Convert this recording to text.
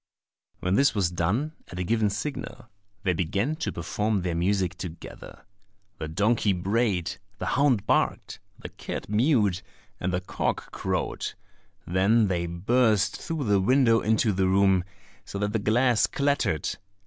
When this was done, at a given signal, they began to perform their music together: the donkey brayed, the hound barked, the cat mewed, and the cock crowed; then they burst through the window into the room, so that the glass clattered!